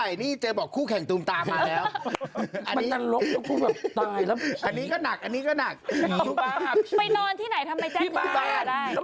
เออที่เจ้าเคยเล่าให้รอดฟังนั่นแหละคุณยังอยู่เหรอคุณแม่คนนี้ฮะอุ๊ยนั่นแหละ